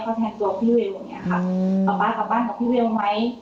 เขาแทนตัวพี่เวลอย่างนี้ค่ะป๊ากลับบ้านกับพี่เวลไหม